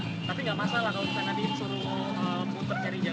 tapi gak masalah kalau disengan diinsel